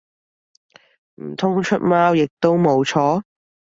唔通出貓亦都冇錯？